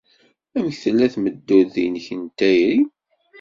Amek tella tmeddurt-nnek n tayri?